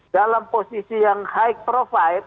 dalam posisi yang high provide